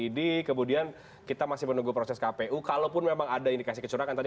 ini kemudian kita masih menunggu proses kpu kalaupun memang ada indikasi kecurangan tadi